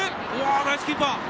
ナイスキーパー！